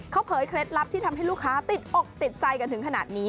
เขาเผยเคล็ดลับที่ทำให้ลูกค้าติดอกติดใจกันถึงขนาดนี้